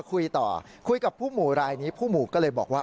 คุยต่อคุยกับผู้หมู่รายนี้ผู้หมู่ก็เลยบอกว่า